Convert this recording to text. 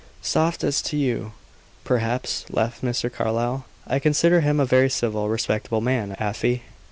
"Soft as to you, perhaps," laughed Mr. Carlyle. "I consider him a very civil, respectable man, Afy."